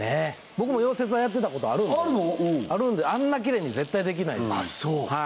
僕も溶接はやってたことあるんであんなきれいに絶対できないです